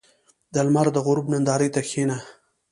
• د لمر د غروب نندارې ته کښېنه.